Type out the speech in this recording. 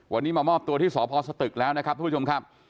วันนี้มามอบตัวที่สพสตึกแล้วนะครับทุกผู้ชมครับ